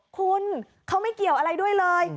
คุณเขาไม่เกี่ยวอะไรด้วยเลย